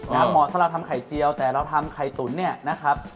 เหมาะสำหรับทำไข่เจียวแต่เราทำไข่ตุ๋นเนี่ยนะครับ